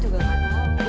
jorok dari sebelah mana